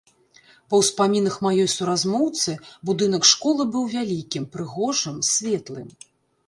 Па ўспамінах маёй суразмоўцы, будынак школы быў вялікім, прыгожым, светлым.